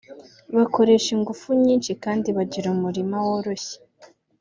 bakoresha ingufu nyinshi kandi bagira umurima woroshye